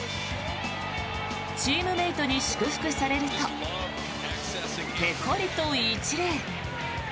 チームメートに祝福されるとペコリと一礼。